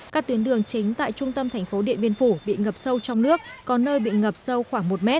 các tuyến đường chính tại trung tâm thành phố điện biên phủ bị ngập sâu trong nước có nơi bị ngập sâu khoảng một m